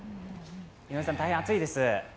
井上さん、大変暑いです。